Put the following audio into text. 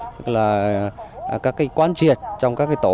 tức là các cái quan triệt trong các cái tổ